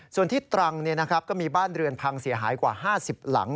ส่วนที่ตรังก็มีบ้านเรือนพังเสียหายกว่า๕๐หลัง